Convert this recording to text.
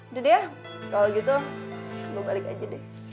udah deh ya kalau gitu lo balik aja deh